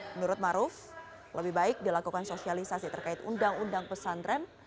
menurut maruf lebih baik dilakukan sosialisasi terkait undang undang pesantren